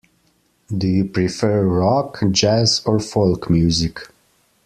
Do you prefer rock, jazz, or folk music?